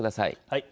はい。